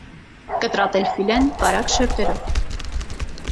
Կտրատել ֆիլեն բարակ շերտերով։